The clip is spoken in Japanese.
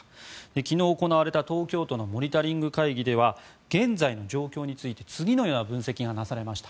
昨日行われた東京都のモニタリング会議では現在の状況について次のような分析がなされました。